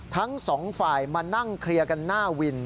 ทั้งสองฝ่ายมานั่งเคลียร์กันหน้าวิน